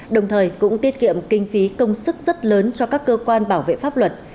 đồng thời cũng tiết kiệm kinh phí công sức rất lớn cho các cơ quan bảo vệ pháp luật